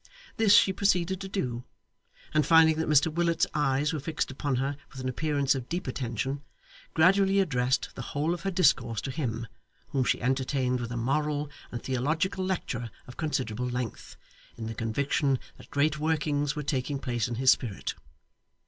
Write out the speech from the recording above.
This she proceeded to do, and finding that Mr Willet's eyes were fixed upon her with an appearance of deep attention, gradually addressed the whole of her discourse to him, whom she entertained with a moral and theological lecture of considerable length, in the conviction that great workings were taking place in his spirit.